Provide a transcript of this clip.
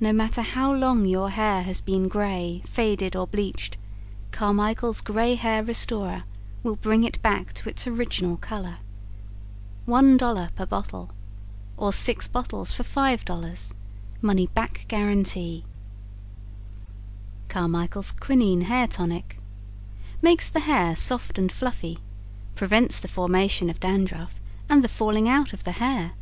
No matter how long your hair has been gray, faded or bleached, Carmichael's Gray Hair Restorer will bring it back to its original color. $1.00 Per Bottle or 6 Bottles for $5.00 Money Back Guarantee CARMICHAEL'S QUININE HAIR TONIC Makes the hair soft and fluffy, prevents the formation of dandruff and the falling out of the hair.